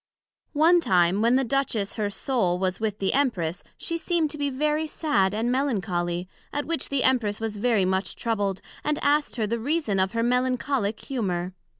One time, when the Duchess her Soul was with the Empress, she seem'd to be very sad and melancholy; at which the Empress was very much troubled, and asked her the reason of her Melancholick humour?